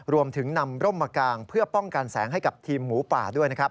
รวมถึงนำร่มมากางเพื่อป้องกันแสงให้กับทีมหมูป่าด้วยนะครับ